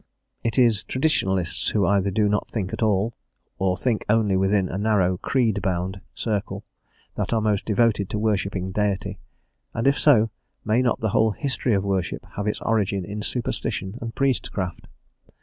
It is traditionalists who either do not think at all, or think only within a narrow, creed bound circle, that are most devoted to worshipping Deity; and if so, may not the whole history of worship have its origin in superstition and priestcraft!